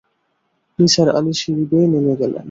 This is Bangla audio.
নিসার আলি সিড়ি বেয়ে নেমে গেলেন।